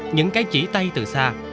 những cái chỉ tay từ xa